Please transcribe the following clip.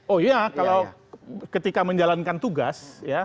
oh iya kalau ketika menjalankan tugas